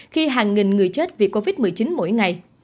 khi hàng nghìn người chết vì covid một mươi chín mỗi ngày